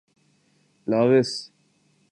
Laos